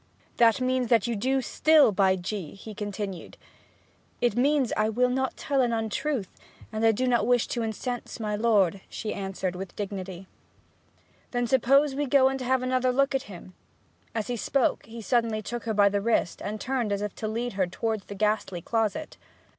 'That means that you do still, by G !' he continued. 'It means that I will not tell an untruth, and do not wish to incense my lord,' she answered, with dignity. 'Then suppose we go and have another look at him?' As he spoke, he suddenly took her by the wrist, and turned as if to lead her towards the ghastly closet.